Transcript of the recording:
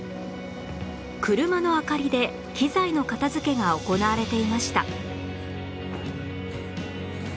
車の明かりで機材の片付けが行われていました